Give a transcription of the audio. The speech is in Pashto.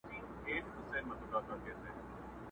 د اوښکو تر ګرېوانه به مي خپله لیلا راسي؛